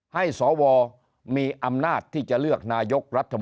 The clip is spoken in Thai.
ให้สวมีอำนาจที่จะเลือกนายก